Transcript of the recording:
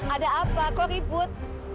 ada apa kau ribut